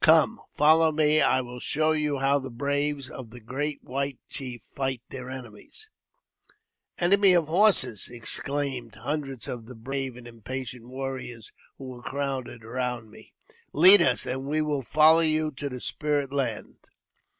Come, follow me, and I will show you how the braves of the great white chief fight their enemies !"Enemy of Horses," exclaimed hundreds of the brave and impatient warriors who were crowded round me, " lead us, and we will follow you to the spirit land."